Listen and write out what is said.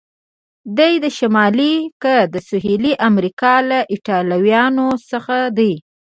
دی د شمالي که د سهیلي امریکا له ایټالویانو څخه دی؟